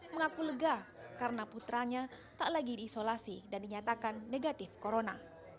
mengaku lega karena putranya tak lagi diisolasi dan dinyatakan negatif corona